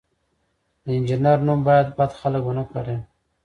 د انجینر نوم باید بد خلک ونه کاروي.